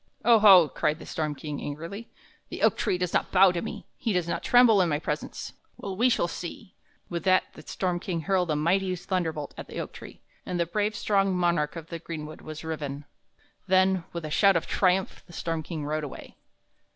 "Oho!" cried the storm king, angrily, "the oak tree does not bow to me, he does not tremble in my presence. Well, we shall see." With that the storm king hurled a mighty thunderbolt at the oak tree, and the brave, strong monarch of the greenwood was riven. Then, with a shout of triumph, the storm king rode away.